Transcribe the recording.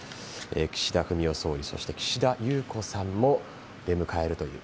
岸田文雄総理そして岸田裕子さんも出迎えるという。